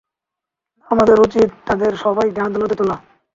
আমাদের উচিত তাদের সবাইকে আদালতে তোলা।